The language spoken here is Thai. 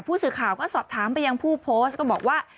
ผู้สื่อข่าวก็สอบถามไปยังผู้โพสต์ก็บอกว่า